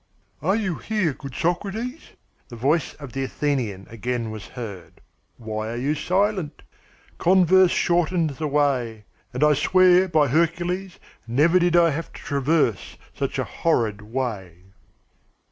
"Are you here, good Socrates?" the voice of the Athenian again was heard. "Why are you silent? Converse shortens the way, and I swear, by Hercules, never did I have to traverse such a horrid way."